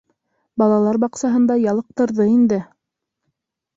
Балалар баҡсаһында ялыҡтырҙы инде.